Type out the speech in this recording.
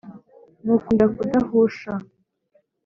Nywukundira kudahusha;